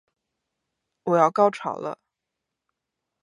我要高潮了